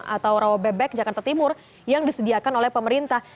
atau rawa bebek jakarta timur yang disediakan oleh pemerintah